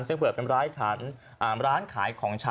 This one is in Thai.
เสียเผื่อเป็นร้ายขนร้านขายของช่ำ